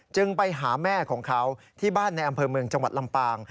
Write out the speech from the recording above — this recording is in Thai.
ไปหาแม่ของเขาที่บ้านในอำเภอเมืองจังหวัดลำปาง